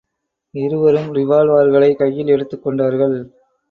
இருவரும் ரிவால்வர்களைக் கையில் எடுத்துக் கொண்டார்கள்.